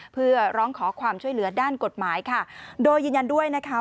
เพื่อร้องขอความช่วยเหลือด้านกฎหมายค่ะโดยยืนยันด้วยนะคะ